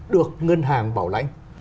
được ngân hàng bảo lãnh